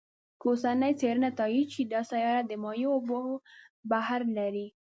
که اوسنۍ څېړنې تایید شي، دا سیاره د مایع اوبو بحر لري.